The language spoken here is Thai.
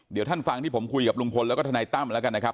เดี๋ยวท่านฟังที่ผมคุยกับลุงพลแล้วก็ทนายตั้มแล้วกันนะครับ